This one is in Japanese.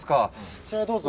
こちらへどうぞ。